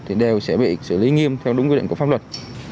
thì đều sẽ bị xử lý nghiêm theo đúng quy định của pháp luật